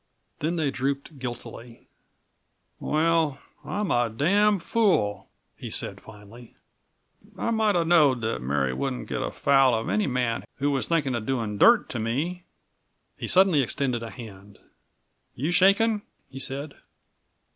Then they drooped guiltily. "Well I'm a damn fool!" he said finally. "I might have knowed that Mary wouldn't get afoul of any man who was thinkin' of doing dirt to me." He suddenly extended a hand. "You shakin'?" he said.